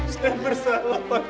saya bersalah pak kiai